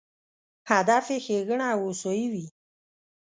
هدف یې ښېګڼه او هوسایي وي.